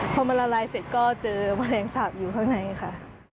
พอมันละลายเสร็จก็เจอแมลงสาปอยู่ข้างในค่ะ